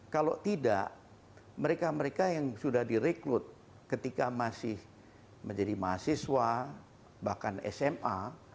kalau tidak mereka mereka yang sudah direkrut ketika masih menjadi mahasiswa bahkan sma